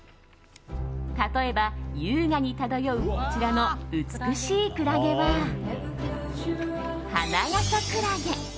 例えば、優雅に漂うこちらの美しいクラゲはハナガサクラゲ。